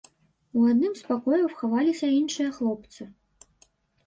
У адным з пакояў хаваліся іншыя хлопцы.